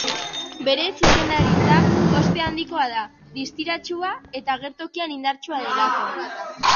Bere zuzendaritza, ospe handikoa da distiratsua eta agertokian indartsua delako.